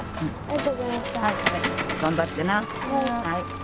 はい。